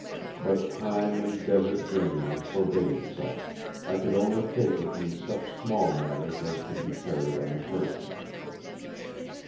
But time and desert journeyings forbade such; I could only take with me such small matters as could be carried on the person.